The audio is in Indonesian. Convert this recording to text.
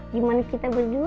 gimana kita berdua ya